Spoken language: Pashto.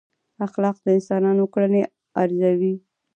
اخلاق د انسانانو کړنې ارزوي.